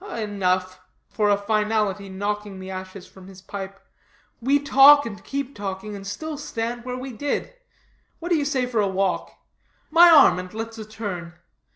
"Enough," for a finality knocking the ashes from his pipe, "we talk and keep talking, and still stand where we did. What do you say for a walk? My arm, and let's a turn.